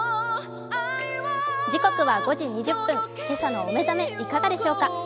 時刻は５時２０分、今朝のお目覚めいかがでしょうか。